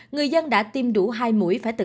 người dân đã tiêm đủ hai mũi phải tự